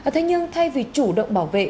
thế nhưng thay vì chủ động bảo vệ